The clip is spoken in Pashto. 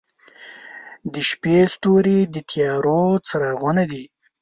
• د شپې ستوري د تیارو څراغونه دي.